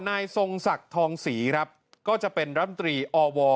นายทรงศักดิ์ทองศรีครับก็จะเป็นรำตรีอว